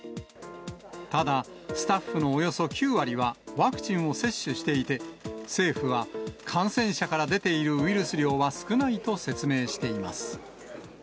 ただ、スタッフのおよそ９割はワクチンを接種していて、政府は、感染者から出ているウイルス量は少ないと説明しています。